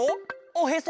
おへそ？